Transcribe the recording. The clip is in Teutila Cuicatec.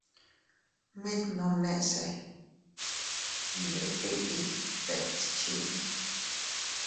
Mit nomnese iyndebiʼiy deʼes chii.